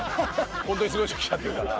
ホントにすごい人来ちゃってるから。